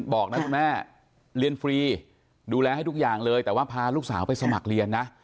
บอกนะคุณแม่เรียนฟรีดูแลให้ทุกอย่างเลยแต่ว่าพาลูกสาวไปสมัครเรียนนะ